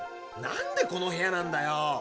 なんでこの部屋なんだよ。